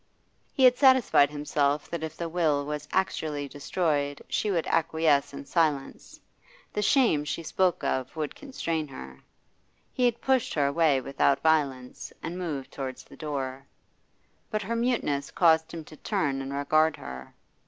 He had satisfied himself that if the will was actually destroyed she would acquiesce in silence; the shame she spoke of would constrain her. He pushed her away without violence, and moved towards the door. But her muteness caused him to turn and regard her.